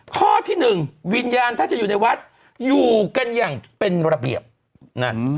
ข้อที่หนึ่งวิญญาณถ้าจะอยู่ในวัดอยู่กันอย่างเป็นระเบียบนั่น